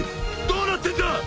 どうなってんだ？